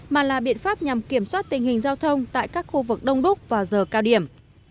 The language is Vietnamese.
mà là biện pháp nhằm kiểm soát tình hình giao thông tại các khu vực đông đúc vào giờ cao điểm